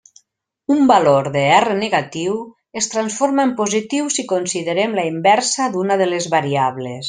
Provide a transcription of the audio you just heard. Un valor de R negatiu es transforma en positiu si considerem la inversa d'una de les variables.